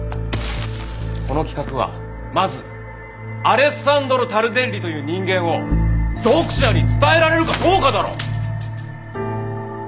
この企画はまずアレッサンドロ・タルデッリという人間を読者に伝えられるかどうかだろ！